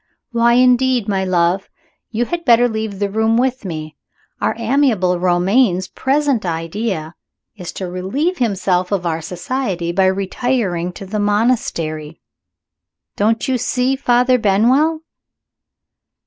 "Why, indeed, my love! You had better leave the room with me. Our amiable Romayne's present idea is to relieve himself of our society by retiring to a monastery. Don't you see Father Benwell?"